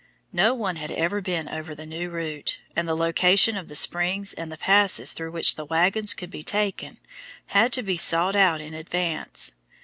No one had ever been over the new route, and the location of the springs and the passes through which the wagons could be taken had to be sought out in advance.